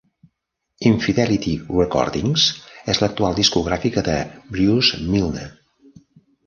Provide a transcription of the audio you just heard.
"In-Fidelity Recordings" és l'actual discogràfica de Bruce Milne.